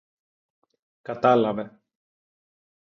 Κατάλαβε